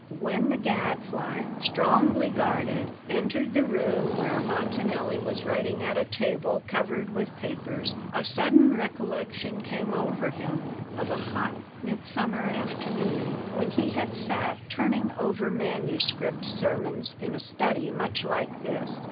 When the Gadfly, strongly guarded, entered the room where Montanelli was writing at a table covered with papers, a sudden recollection came over him, of a hot midsummer afternoon when he had sat turning over manuscript sermons in a study much like this.